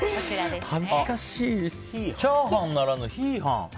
チャーハンならぬヒーハン。